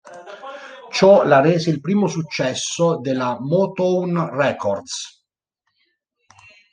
Ciò la rese il primo successo della Motown Records.